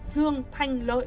dương thanh lợi